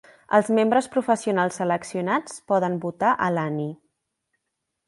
Els membres professionals seleccionats poden votar a l'Annie.